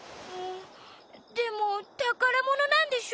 でもたからものなんでしょ？